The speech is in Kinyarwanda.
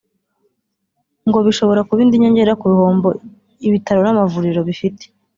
ngo bishobora kuba indi nyongera ku bihombo ibitaro n’amavuriro bifite